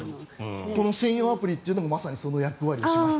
この専用アプリというのもまさにその役目をします。